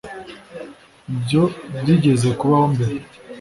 ibyo byigeze kubaho mbere